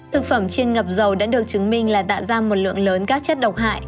thực phẩm chiên ngập dầu đã được chứng minh là tạo ra một lượng lớn các chất độc hại